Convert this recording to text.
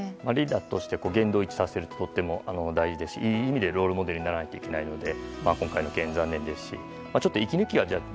リーダーとして言動一致させるのはとても大事ですしいい意味でロールモデルにならないといけないので今回の件は残念ですしまあ、息抜きはね。